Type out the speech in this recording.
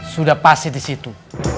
sudah pasti di situ